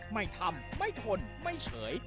ไม่ทำไม่ทนไม่เฉย